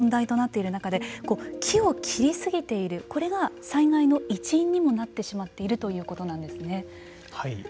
災害が頻発してまた激甚化が問題となっている中で木を切りすぎているこれが災害の一因にもなってしまっているということなんですね。